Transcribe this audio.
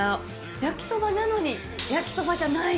焼きそばなのに焼きそばじゃない。